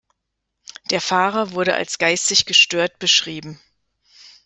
Der Fahrer wurde als geistig gestört beschrieben.